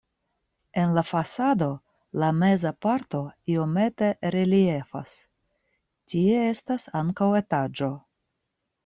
En la fasado la meza parto iomete reliefas, tie estas ankaŭ etaĝo.